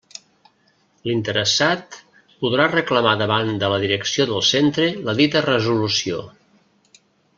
L'interessat podrà reclamar davant de la direcció del centre la dita resolució.